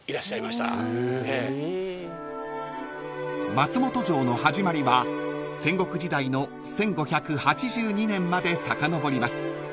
［松本城の始まりは戦国時代の１５８２年までさかのぼります］